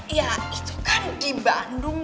iya itu kan di bandung